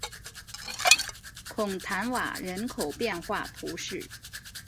孔坦瓦人口变化图示